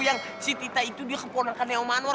yang si tita itu dia keponerkannya sama anwar